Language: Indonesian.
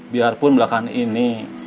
biarpun belakang ini